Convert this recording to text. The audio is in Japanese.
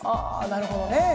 なるほど。